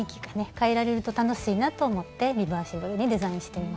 変えられると楽しいなと思ってリバーシブルにデザインしてみました。